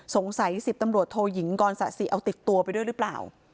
สงสัย๑๐ตำรวจโทยิงกรสสีตัวไปด้วยหรือเปล่า